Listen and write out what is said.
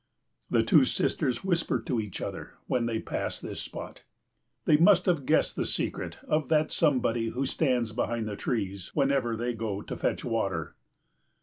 The two sisters whisper to each other when they pass this spot. They must have guessed the secret of that somebody who stands behind the trees whenever they go to fetch water.